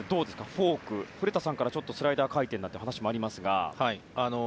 フォーク、古田さんからはスライダー回転という話もありましたが。